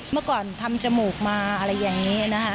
เมื่อก่อนทำจมูกมาอะไรอย่างนี้นะคะ